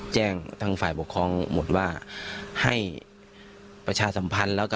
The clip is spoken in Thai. แจ้งทางฝ่ายปกครองหมดว่าให้ประชาสัมพันธ์แล้วก็